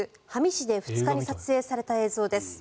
市で２日に撮影された映像です。